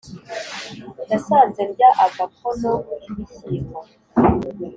yasanze ndya agakono k’ ibishyimbo,